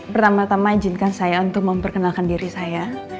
pertama tama izinkan saya untuk memperkenalkan diri saya